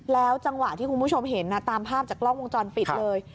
จังหวะที่คุณผู้ชมเห็นตามภาพจากกล้องวงจรปิดเลย